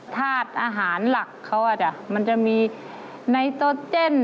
ธาตุอาหารหลักเขาอาจจะมีนายโทรเจน